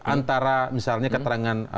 antara misalnya keterangan